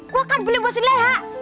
gue kan beli buat si leha